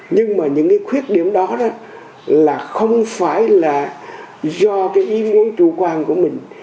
nhưng mà những cái khuyết điểm đó là không phải là do cái ý muốn chủ quan của mình